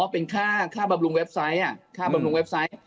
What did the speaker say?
เป็นค่าบำรุงเว็บไซต์ค่าบำรุงเว็บไซต์